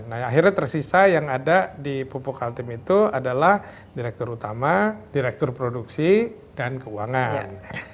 nah akhirnya tersisa yang ada di pupuk kaltim itu adalah direktur utama direktur produksi dan keuangan